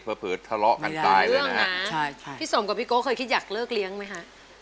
เผลอทะเลาะกันตายเลยนะฮะใช่ใช่พี่สมกับพี่โกะเคยคิดอยากเลิกเลี้ยงไหมฮะ